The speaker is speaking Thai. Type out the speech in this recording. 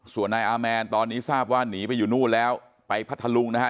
ส่วนนายอาแมนตอนนี้ทราบว่าหนีไปอยู่นู่นแล้วไปพัทธลุงนะฮะ